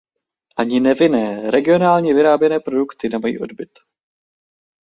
Ani nevinné regionálně vyráběné produkty nemají odbyt.